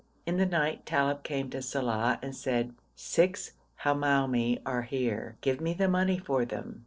In the night Talib came to Saleh and said: 'Six Hamoumi are here; give me the money for them.'